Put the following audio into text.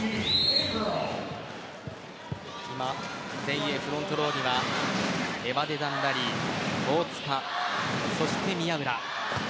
前衛フロントローにはエバデダン・ラリー大塚そして宮浦。